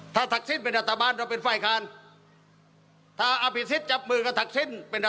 ถ้าทักษิณเป็นนาธบาลเราเป็นฝ่ายธุรกิจข้าน